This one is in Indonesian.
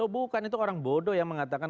oh bukan itu orang bodoh yang mengatakan